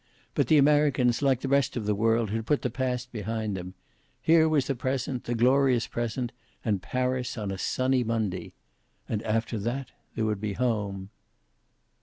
But the Americans, like the rest of the world, had put the past behind them. Here was the present, the glorious present, and Paris on a sunny Monday. And after that would be home.